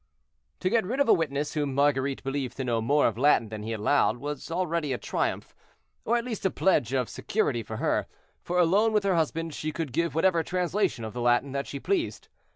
To get rid of a witness whom Marguerite believed to know more of Latin than he allowed was already a triumph, or at least a pledge of security for her; for alone with her husband she could give whatever translation of the Latin that she pleased.